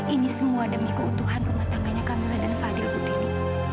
ini semua demi keutuhan rumah tangganya kamila dan fadil putri